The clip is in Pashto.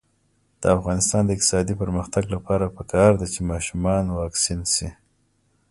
د افغانستان د اقتصادي پرمختګ لپاره پکار ده چې ماشومان واکسین شي.